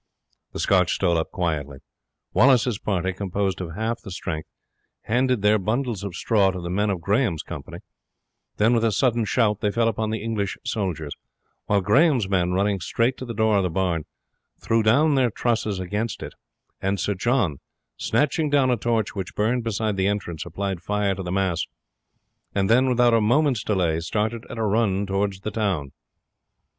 The Scotch stole up quietly. Wallace's party, composed of half the strength, handed their bundles of straw to the men of Grahame's company; then with a sudden shout they fell upon the English soldiers, while Grahame's men, running straight to the door of the barn, threw down their trusses of straw against it, and Sir John, snatching down a torch which burned beside the entrance, applied fire to the mass, and then, without a moment's delay, started at a run towards the town.